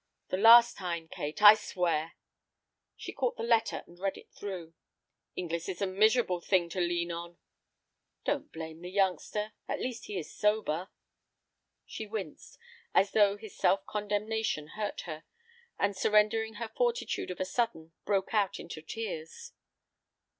The last time, Kate, I swear!" She caught the letter and read it through. "Inglis is a miserable thing to lean on." "Don't blame the youngster. At least he is sober." She winced, as though his self condemnation hurt her, and surrendering her fortitude of a sudden, broke out into tears.